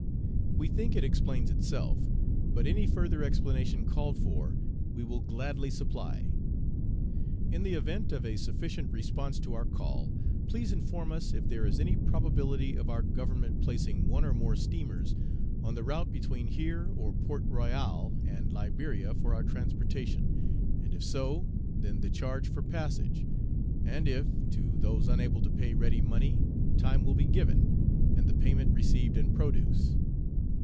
We think it explains itself, but any further explanation called for we will gladly supply. In the event of a sufficient response to our call, please inform us if there is any probability of our government placing one or more steamers on the route between here, or Port Royal, and Liberia for our transportation; and if so, then the charge for passage; and if, to those unable to pay ready money, time will be given, and the payment received in produce?